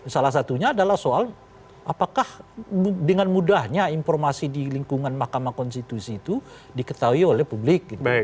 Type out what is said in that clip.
salah satunya adalah soal apakah dengan mudahnya informasi di lingkungan mahkamah konstitusi itu diketahui oleh publik